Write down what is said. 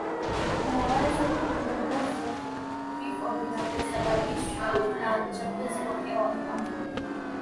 kunaweza kupunguza vifo vinavyosababishwa na uchafuzi wa hewa kwa